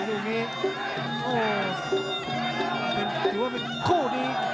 ติ้งขวาจิ้นก้านคอเลยพันมะยักษ์